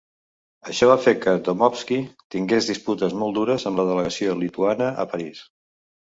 Això va fer que Dmowski tingués disputes molt dures amb la delegació lituana a París.